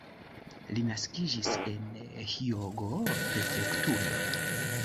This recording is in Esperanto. Li naskiĝis en Hjogo-prefektujo.